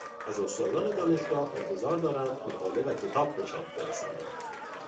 از استادان دانشگاه انتظار دارند مقاله و کتاب به چاپ برسانند.